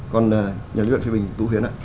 con nhà luyện phiếu bình tú huyến ạ